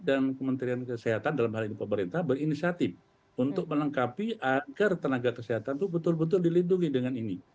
kementerian kesehatan dalam hal ini pemerintah berinisiatif untuk melengkapi agar tenaga kesehatan itu betul betul dilindungi dengan ini